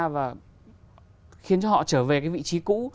và khiến cho họ trở về cái vị trí cũ